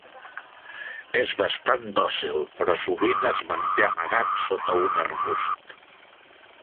És bastant dòcil, però sovint es manté amagat sota un arbust.